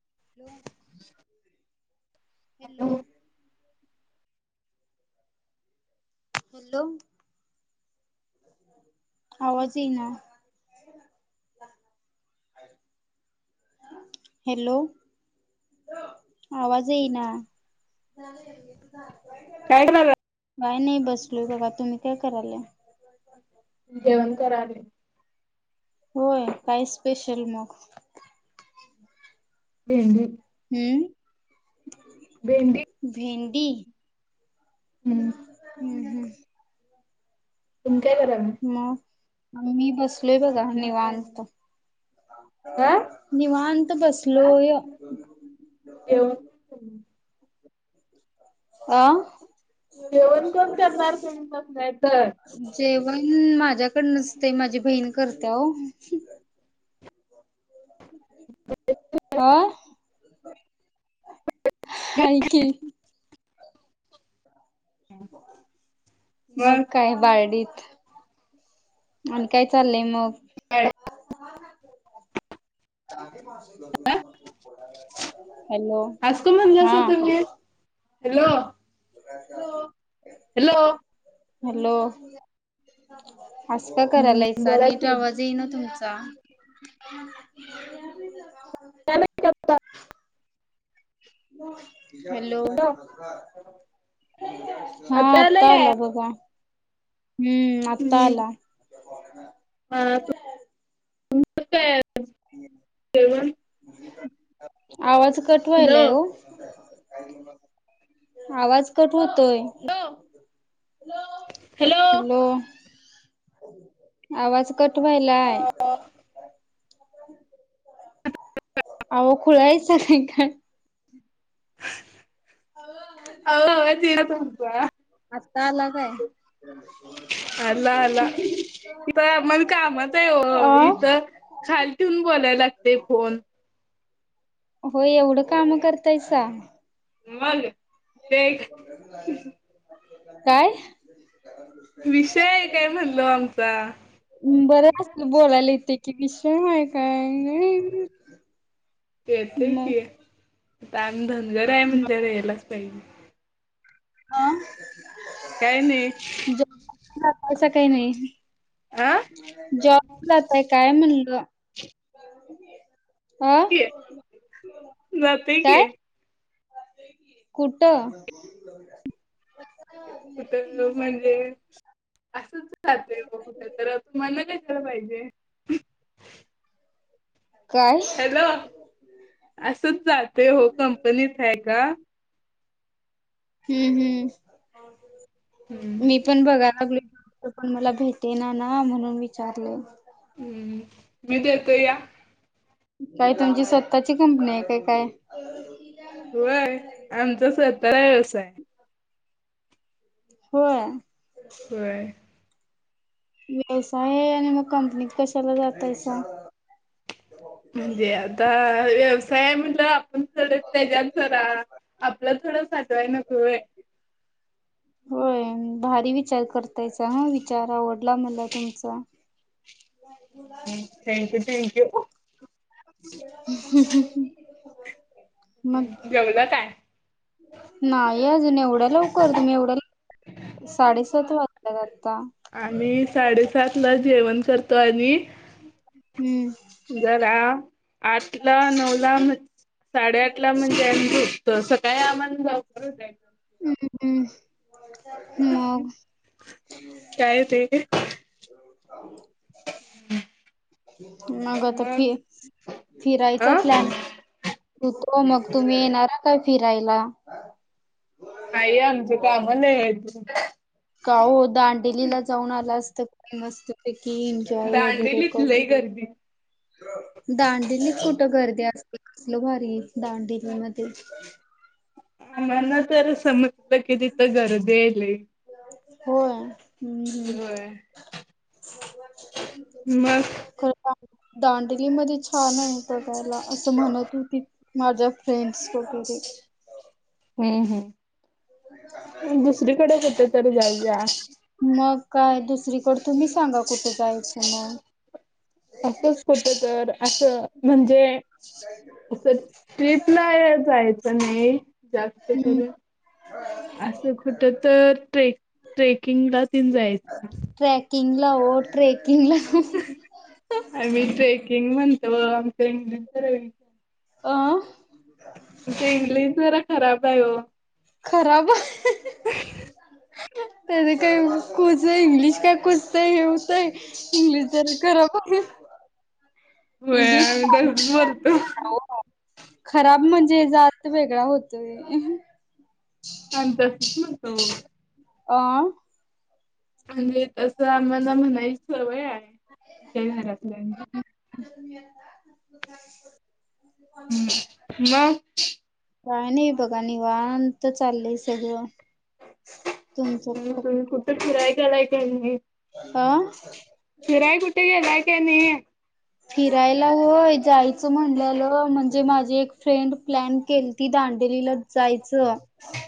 [unintelligible] [unintelligible] Hello! आवाज इना hello! आवाज इना काय झालं. काय नाही बसलोय बघा तुम्ही काय करालाय. जेवण करालय. होय काय स्पेशल मग? भेंडी! हम्म. भेंडी डी हम्म हम्म [unintelligible] तुम्ही काय करालय. मी बसलोय बघा निवांत, नाही. आ? निवांत बसलोय. जेवण अ जेवण कोण करणार तुमचंच नाही तर. जेवण माझ्याकडं नसत्या माझी बहीण करते हो [inaudible] हा हाय की मगं मग काय बारडीत आणि काय चाललंय मग. [unintelligible] [inaudible] हा [unintelligible] हॅलो [unintelligible] हॅलो हॅलो असं का करायला हम्म ऐसा बोला नीट की आवाज येईना तुमचा का [inaudible] [unintelligible] [unintelligible] हॅलो! हा आता आला बघा. हम्म आता आला. [inaudible] हो [inaudible] काय [inaudible] [inaudible] आवाज कट हॅलो व्हायलाय ओ. आवाज कट कट होतोय. Hello hello! आवाज कट व्हायलाय. आ ओ [unintelligible] [unintelligible] [inaudible] अव हवाच ये ना तुमचा आत्ता आला काय अला आला इथ मण कामच अ आहे इथं खाल ठेवून बोलायला लागते फोन. हो एवढं काम करतायसा? मंग. काय विषय आहे काय म्हणलो आमचा बर अस बोलायला येतंय. विषय हाय काय येतोय मग मग. की आता आम्ही धनगर आहे म्हणल्यावर [inaudible] आ. काय नाही. ह कसं काही नाही. हा जॉब ला जातय काय म्हणलं? [unintelligible] आं जाते की काय? कुटं? कुठ म्हणजे असंच [unintelligible] [unintelligible] पाहिजे. काय हॅलो! असंच जातेय हो कंपनीत हाय का. हम्म हम्म. हम्म मी पण बघाय लागलोय. पण मला भेटे ना ना म्हणून विचारले. हम्म मी देते या. काय तुमची स्वतःची कंपनी आहे का काय. होय आमचा स्वतःला व्यवसाय. होय. होय. व्यवसाय आहे आणि मग कंपनीत कशाला जातायसा. म्हणजे आता व्यवसाय अस आहे म्हंटलं आपण तर त्याच्यात जरा आपलं थोडं साठवाय नको होय. होय भारी विचार करतायसा हा विचार आवडला मला तुमचा थँक्यू थँक्यू. हम्म हम्म. मग जेवला काय? नाही अजून एवढ्या लवकर तुम्ही एवढ्या साडेसात वाजता होय. आम्ही साडेसात ला जेवण करतो. आणि हम्म जरा आठ ला नऊला म्हण साडेआठ ला म्हणजे होता आमचा काय आम्हाला जाऊ. हम्म हम्म. मग काय ते मग तर फि फिरायचा अं प्लॅन होतो मग तुम्ही येणार. काय फिरायला नाही आमच काम लय आहे. का ओ? दांडेलीला जाऊन आला असता. मस्तपैकी दांडेली त लय गर्दी दांडिलीत कुठं गर्दी असते. कसला भारी हे. दांडेरीमध्ये आम्हाला तर समजलं की तित गर्दी आहे लय. होय. हम्म होय मग. दांडली मध्ये छान आहे. बघायला असं म्हणत होती. माझ्या फ्रेंडस वैगरे हम्म हम्म. दुसरीकडे कुठ तर जाऊया मग काय दुस दुसरीकड तुम्ही सांगा कुठ जाय [unintelligible] असंच कुठ तर असं म्हणजे ट्रीपला या जायच [unintelligible] जास्त हम्म करून असं खुट तर ट्रे ट्रेक. किंगड तीन जायचं. [unintelligible] आ मी ट्रेकिंग म्हण तो. [unintelligible] अ ते इंग्लिश जरा खराब काय ओ खराब. त्या काही कोच इंग्लिश काय कोचतंय हे हुतय इंग्लिश जरा खराब होय इंग्लिश आम्ही तर बोलतो खराब म्हणजे जात वेगळा होतोय. आम्ही तसच म्हणतो. अं. म्हणजे तसं आम्हाला म्हणायची सवय आ [unintelligible] [unintelligible] हम्म म. का नाही बघा निवांत त चाललंय सगळं तुमचं? तुम्ही कुठे फिराय गेलाय का नाही. आं. फिराय कुठ गेलाय. क नाही. फिराय होय जायचं म्हणलेलो म्हणजे माझ. एक फ्रेंड प्लॅन केलती दांडेली जायचं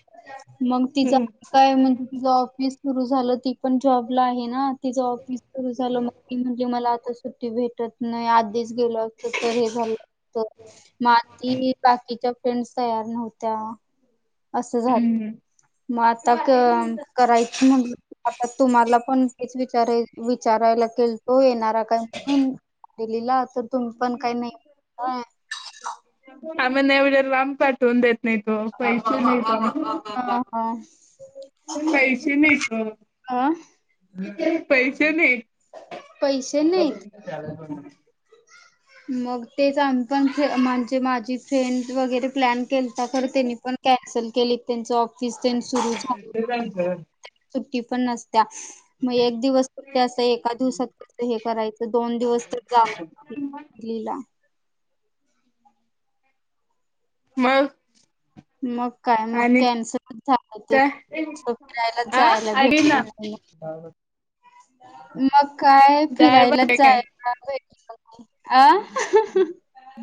[inaudible] मंग तिचा काय म्हण [unintelligible] ऑफिस सुरू झालं, ती पण जॉबला आहे ना तिच ऑफिस सुरू झालं म म्हणजे मला आता सुट्टी भेट- तत नाही आधीच गेलो असत तर हे झालं हो बाकी बाकीच्या हिंटस तयार नव्हत्या असं हम्म. झालं मग आता क, करायचं म्हणलं आता तुम्हाला पण तेच विचाराइ विचारायला केलतो, येणारा काय म्हणून दिलीला आमन एव्हड्या लाम पाठ टून देत नाही तो पैसा [unintelligible] पा पा पा हा हा पैसे नाहीत. हा ह [inaudible] पैस ते नाहीत. पैसे नाहीत [unintelligible] मग ते सांकांचे म्हणजे माझ ती सेंट वगैरे प्लॅन केलता खर त्यानी पण काय चल केली त्यांचं किसचेन सुरु [unintelligible] तीपन नसत्या मग एक दिवस तर ते असं एका दिवसात त हे करायचं दोन दिवस तर जाण [inaudible] मग मग काय मग आणि कॅन्सल झालं ते काय फिरायला आ जायला ऐक भेटल ना नाही, मग काय डाळ भात फिरायला खाताय काय? जयला भेट आ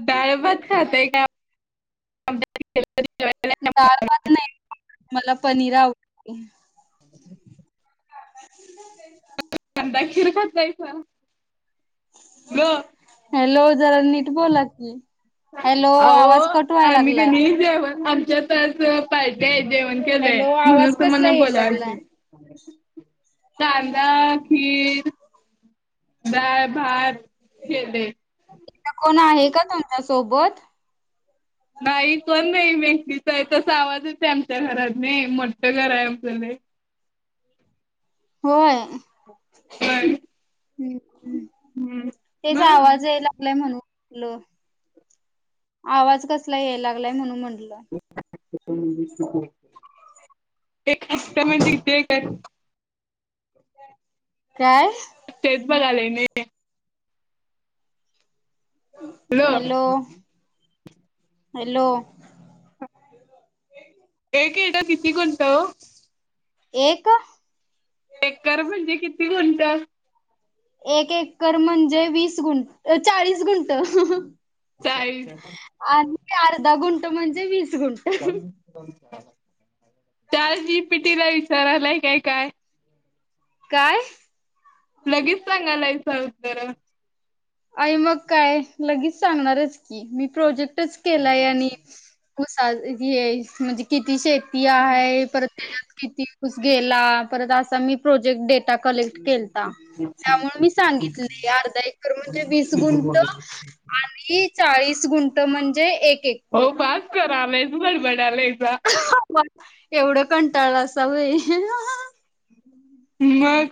डाळभात खातय का? [unintelligible] डाळभात नाही मला पनीर आवडत. [inaudible] कंदा हिर पण [unintelligible] हॅलो जरा नीट बोला की, हॅलो आवाज कट व्हाय लागलायं आमच्यातच [unintelligible] पाहिजेहेत जेवण हॅलो केलंय म्हणून आवाज कसला तूमना याय लागलाय. बोलावालते कांदा, खीर दाळभात केले इथं कोण आहे का तुमच्या सोबत बाई कोण नाही बाई दीसत तसा आवाज येते आमच्या घरात नाही. लय मोठ घर आहे आमचं लय. होय, होय हम् हम् हम्म तेच मग आवाज याय लागलायं म्हणून हाॅलो, आवाज कसला याय लागलाय म्हणून म्हणली तीला एक लाईन दूबे एक आत्या माझ्या इथं येतात काय तेच बघायला आली मी हॅलो, हॅलो, एक एकर किती गुंठा हो, एक एकर म्हणजे किती गुंठा ठ एक एककर म्हणजे वीस गुठं चाळीस गुंठ चाळीस आणि अर्धा गुंठ त म्हणजे वीस गुंट चालो चालो हा त्या जिपिटीला विचारालाय हे काय काय? लगेच सांगायला सा उत्तर आई मग काय? लगेच सांगणारच की, मी प्रोजेक्ट आताच केलायानी, ऊसाज गीहै म्हणजे किती शेत किती आहे. परत त्याच्यात किती, ऊस गेला परत असा मी प्रोजेक्ट डेटा कलेक्ट केलता, त्यामुळे मी सांगितले अर्धा एकर म्हणजे ते वीस गुंट आणि चाळीस गुंट म्हणजे एक एकर. हो पास करा रे बडबडालाय मगं एवढं कंटाळलं अस [unintelligible] मगं.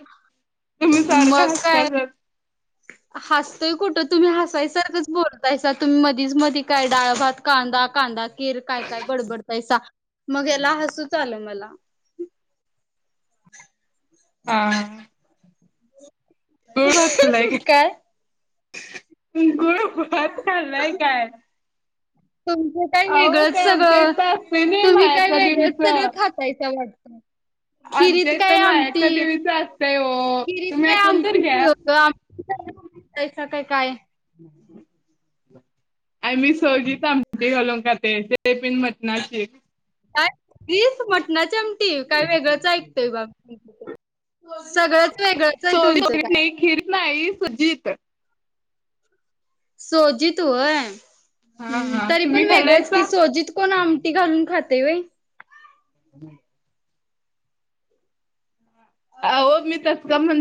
मगं काय, हसतोय कुठं तुम्ही हसायसारखंच बोलतायसा तुम्ही मधीच मधी काय डाळ भात? कांदा कांदा कीर काय काय बडबडताय सा मगं याला हसूच आलं मला. हा. गुळ भात काय? गुड भात खाल्लाय काय? तुमचं काय अहो वेगळंच ते आमच्या सगळं इथं असते नाही तुम्ही, काय मायाच्या वेगळंच सगळं देवीचं. खातायसा आमच्या खिरीत इथ काय मायाका आमटी देवीचा असतंय ओ तुम्ही ऐकून तर घ्या. [inaudible] आणि मी सोजीत अमटी घालून का ते. टिफिन मधन [unintelligible] काय? तीस मटणाची आमटी काय वेगळच ऐकते बाप? चोरी उघट काय नाही खिरत नाही [unintelligible] सोजीत होय हा हम्म हा तरी पण तुम्ही वेगळंच खाल्लायसा? कि, सोजीत कोण आमटी घालून खातय होय. आ ओ तस